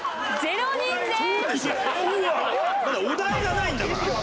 だってお題がないんだから。